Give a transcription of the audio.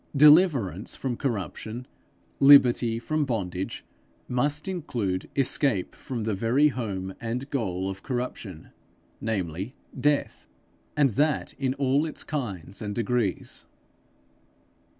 Deliverance from corruption, liberty from bondage, must include escape from the very home and goal of corruption, namely death, and that in all its kinds and degrees.